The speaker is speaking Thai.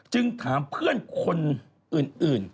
ถามเพื่อนคนอื่น